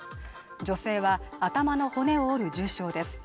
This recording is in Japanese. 女性は頭の骨を折る重傷です